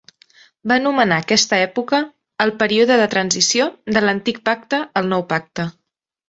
Va anomenar aquesta època "el període de transició" de l'Antic Pacte al Nou Pacte.